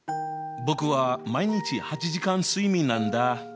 僕は毎日８時間睡眠なんだ。